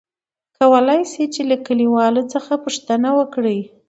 کولاى شې ،چې له کليوالو څخه پوښتنه وکړې ؟